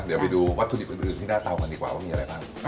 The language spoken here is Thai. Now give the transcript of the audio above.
เดี๋ยวไปดูวัตถุดิบอื่นที่หน้าเตากันดีกว่าว่ามีอะไรบ้าง